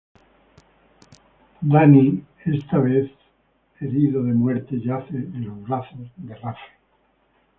Danny, esta vez herido de muerte, yace en los brazos de Rafe.